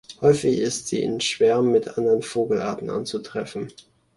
Häufig ist sie in Schwärmen mit anderen Vogelarten anzutreffen.